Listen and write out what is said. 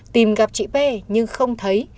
tìm gặp chị pê nhưng không thấy